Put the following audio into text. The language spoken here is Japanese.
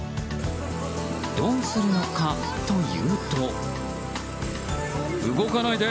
どうするのかというと。